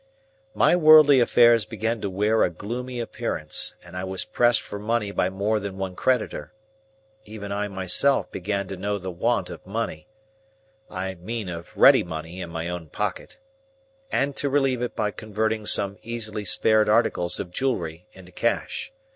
My worldly affairs began to wear a gloomy appearance, and I was pressed for money by more than one creditor. Even I myself began to know the want of money (I mean of ready money in my own pocket), and to relieve it by converting some easily spared articles of jewelery into cash.